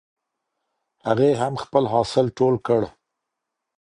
هغې هم خپل حاصل ټول کړ.